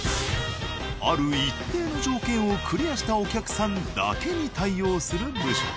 ある一定の条件をクリアしたお客さんだけに対応する部署。